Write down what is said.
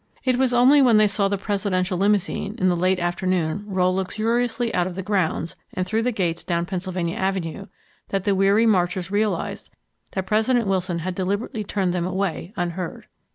It was only when they saw the Presidential limousine, in the late afternoon, roll luxuriously out of the grounds, and through the gates down Pennsylvania Avenue, that the weary marchers realized that President Wilson had deliberately turned them away unheard!